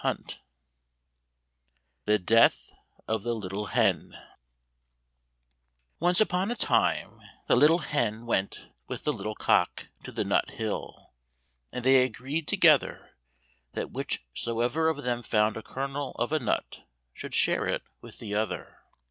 80 The Death of the Little Hen Once upon a time the little hen went with the little cock to the nut hill, and they agreed together that whichsoever of them found a kernel of a nut should share it with the other.